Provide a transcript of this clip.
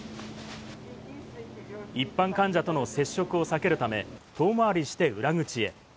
一般患者との接触を避けるため、遠回りして裏口へ。